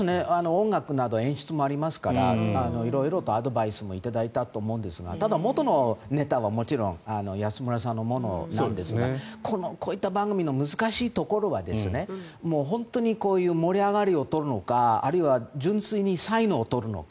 音楽など演出もありますから色々とアドバイスも頂いたと思うんですがただ、元のネタはもちろん安村さんのものなんですがこういった番組の難しいところは本当にこういう盛り上がりを取るのかあるいは純粋に才能を取るのか。